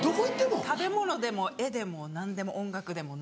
食べ物でも絵でも何でも音楽でも何でも。